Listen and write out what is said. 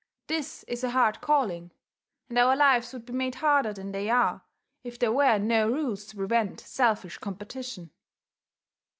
This is a hard calling; and our lives would be made harder than they are, if there were no rules to prevent selfish competition!"